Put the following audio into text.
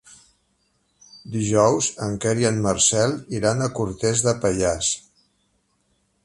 Dijous en Quer i en Marcel iran a Cortes de Pallars.